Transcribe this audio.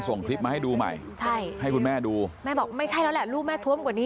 กล้องกลับมาบ้านเดินเร็ว